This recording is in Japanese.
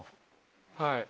はい。